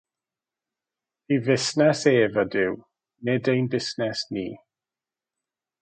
Ei fusnes ef ydyw, nid ein busnes ni.